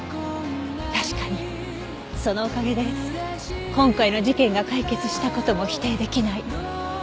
確かにそのおかげで今回の事件が解決した事も否定出来ない。